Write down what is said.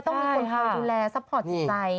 ต้องมีคนคอยดูแลซัพพอร์ตจิตใจ